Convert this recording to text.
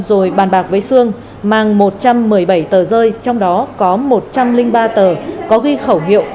rồi bàn bạc với sương mang một trăm một mươi bảy tờ rơi trong đó có một trăm linh ba tờ có ghi khẩu hiệu